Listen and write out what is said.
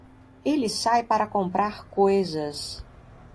Ele sai para comprar coisas